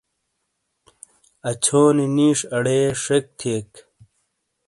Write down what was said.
اچھو نی نِیش اڑے شیک تھیئیک۔